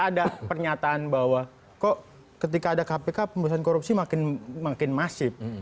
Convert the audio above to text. ada pernyataan bahwa kok ketika ada kpk pemberantasan korupsi makin masif